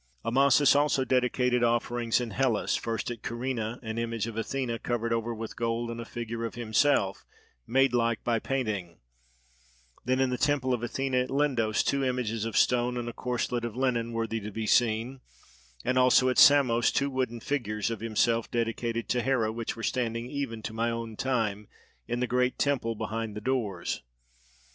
Amasis also dedicated offerings in Hellas, first at Kyrene an image of Athene covered over with gold and a figure of himself made like by painting; then in the temple of Athene at Lindos two images of stone and a corslet of linen worthy to be seen; and also at Samos two wooden figures of himself dedicated to Hera, which were standing even to my own time in the great temple, behind the doors.